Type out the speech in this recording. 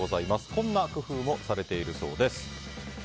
こんな工夫もされているそうです。